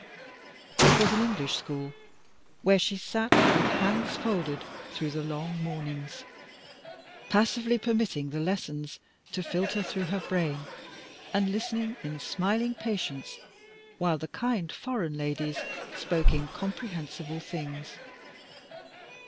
It was an English school, where she sat with hands folded through the long mornings, passively permitting the lessons to filter through her brain, and listening in smiling patience while the kind foreign ladies spoke incomprehensible things.